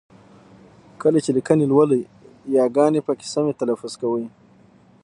کله چې لیکني لولئ ی ګاني پکې سمې تلفظ کوئ!